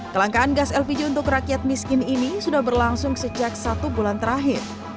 kelangkaan gas lpg untuk rakyat miskin ini sudah berlangsung sejak satu bulan terakhir